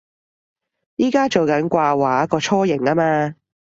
而家做緊掛畫個雛形吖嘛